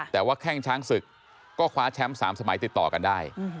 แต่ว่าแข้งช้างศึกก็คว้าแชมป์๓สมัยติดต่อกันได้